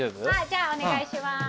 じゃあお願いします。